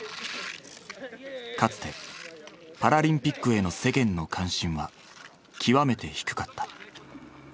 かつてパラリンピックへの世間の関心は極めて低かった。